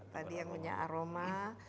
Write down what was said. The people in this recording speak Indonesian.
tadi yang punya aroma